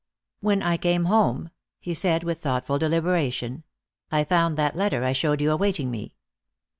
"When I came home," he said with thoughtful deliberation, "I found that letter I showed you awaiting me.